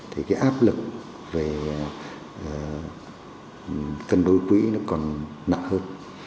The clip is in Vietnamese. thì cái áp lực về cân đối quỹ nó còn nặng hơn